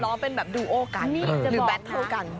เป็นแบบดูโอกันหรือแบตเทิลกัน